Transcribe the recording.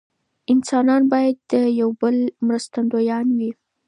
انسانان باید د یو بل مرستندویان وي.